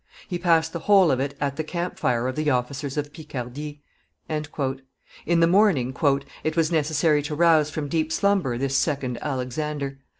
He passed the whole of it at the camp fire of the officers of Picardy." In the morning "it was necessary to rouse from deep slumber this second Alexander.